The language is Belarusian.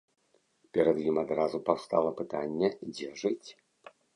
Перад ім адразу паўстала пытанне, дзе жыць.